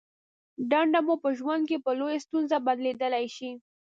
دنده مو په ژوند کې په لویې ستونزه بدلېدای شي.